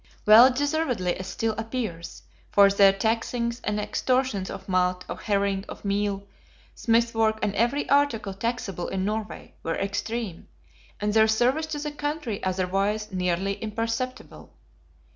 Well deservedly, as still appears; for their taxings and extortions of malt, of herring, of meal, smithwork and every article taxable in Norway, were extreme; and their service to the country otherwise nearly imperceptible.